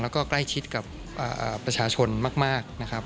แล้วก็ใกล้ชิดกับประชาชนมากนะครับ